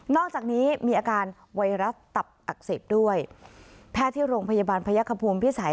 อกจากนี้มีอาการไวรัสตับอักเสบด้วยแพทย์ที่โรงพยาบาลพยักษภูมิพิสัย